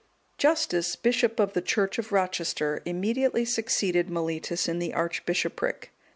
] Justus, bishop of the church of Rochester, immediately succeeded Mellitus in the archbishopric.